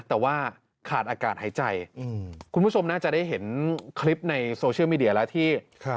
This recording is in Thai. แต่ว่าขาดอากาศหายใจคุณผู้ชมน่าจะได้เห็นคลิปในโซเชียลมีเดียแล้วที่